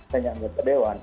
saya nyambut ke dewan